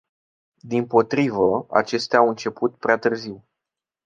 Dimpotrivă, acestea au început prea târziu.